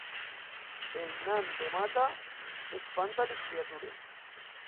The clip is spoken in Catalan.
El nan de Mata espanta les criatures